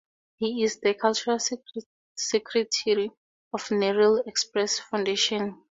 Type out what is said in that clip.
He is the cultural secretary of the Narail Express Foundation.